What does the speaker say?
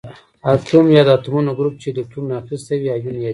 اتوم یا د اتومونو ګروپ چې الکترون اخیستی وي ایون یادیږي.